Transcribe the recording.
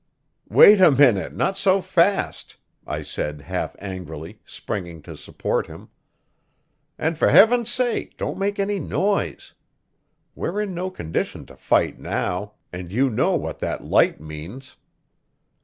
"Wait a minute not so fast!" I said half angrily, springing to support him. "And, for Heaven's sake, don't make any noise! We're in no condition to fight now, and you know what that light means."